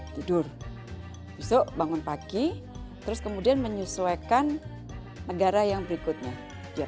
tidur besok bangun pagi terus kemudian menyesuaikan negara yang berikutnya yang